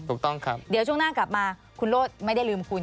ถูกต้องครับเดี๋ยวช่วงหน้ากลับมาคุณโรธไม่ได้ลืมคุณ